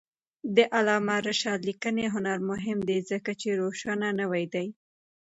د علامه رشاد لیکنی هنر مهم دی ځکه چې روشونه نوي دي.